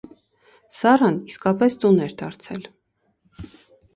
Սառան իսկապես տուն էր դարձել: